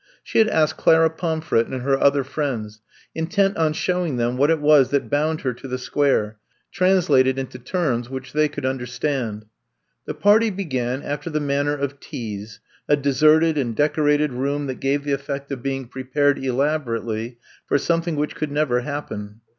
She had asked Clara Pomfret and her other friends, intent on showing them what it was that bound her to the Square, trans lated into terms which they could under stand. The party began after the manner of teas, a deserted and decorated room that gave the effect of being prepared elabor ately for something which could never hap pen.